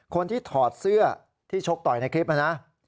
ถอดเสื้อที่ชกต่อยในคลิปนะ